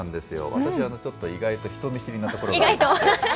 私ちょっと、意外と人見知りなところがありまして。